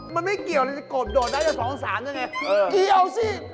มันไม่เกี่ยวเลยโกบโดดแล้วสองสามไปมันเกี่ยวสิ